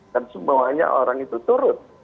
dan semuanya orang itu turut